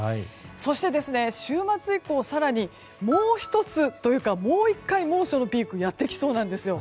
そして、週末以降更にもう１つというか、もう１回猛暑のピークがやってきそうなんです。